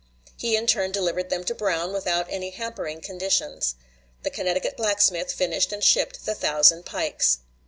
He in turn delivered them to Brown without any hampering conditions. The Connecticut blacksmith finished and shipped the thousand pikes.